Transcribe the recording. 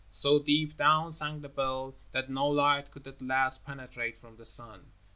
So deep down sank the bell that no light could at last penetrate from the sun.